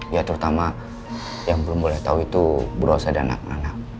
ya terutama yang belum boleh tahu itu brosa dan anak anak